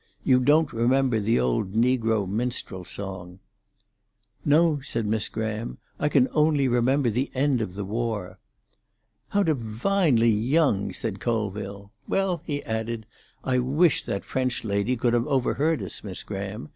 You don't remember the old negro minstrel song." "No," said Miss Graham. "I can only remember the end of the war." "How divinely young!" said Colville. "Well," he added, "I wish that French lady could have overheard us, Miss Graham.